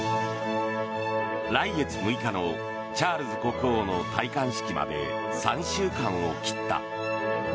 来月６日のチャールズ国王の戴冠式まで３週間を切った。